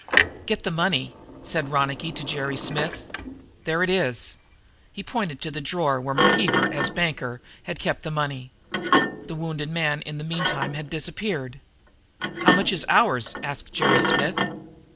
_ "Get the money," said Ronicky to Jerry Smith. "There it is!" He pointed to the drawer, where McKeever, as banker, had kept the money. The wounded man in the meantime had disappeared. "How much is ours?" asked Jerry Smith.